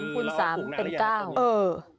๓คูณ๓เป็น๙